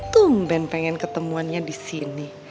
tumben pengen ketemuannya di sini